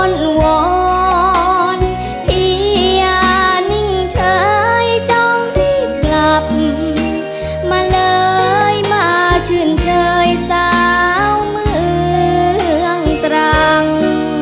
อ้อนวอนพี่ยานิ่งเฉยจองที่กลับมาเลยมาเชื่อนเฉยสาวเมืองตรัง